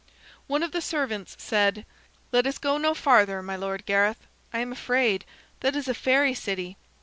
One of the servants said: "Let us go no farther, my lord Gareth. I am afraid. That is a fairy city."